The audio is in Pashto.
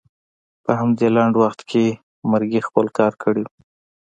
په همدې لنډ وخت کې مرګي خپل کار کړی و.